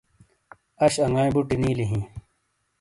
اش انگائی بٹی نیلی ہیں۔